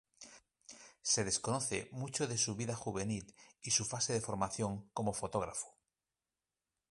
Se desconoce mucho de su vida juvenil y su fase de formación como fotógrafo.